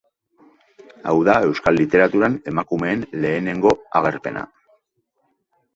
Hau da euskal literaturan emakumeen lehenengo agerpena.